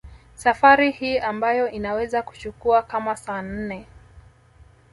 Safari hii ambayo inaweza kuchukua kama saa nne